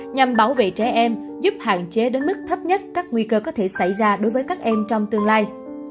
nhằm bảo vệ trẻ em giúp hạn chế đến mức thấp nhất các nguy cơ có thể xảy ra đối với các em trong tương lai